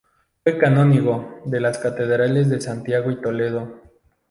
Fue canónigo de las catedrales de Santiago y Toledo.